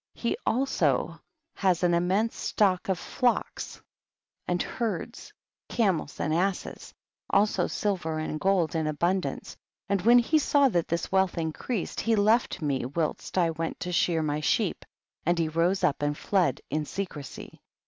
59. He has also an immense stock of flocks and herds, camels and asses, also silver and gold in abun dance ; and when he saw that liis wealth increased, he left me whilst I went to shear my sheep, and he rose up and fled in secrecy.